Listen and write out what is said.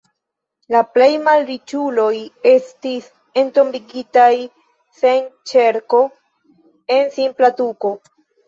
La plej-malriĉuloj estis entombigitaj sen ĉerko, en simpla tuko.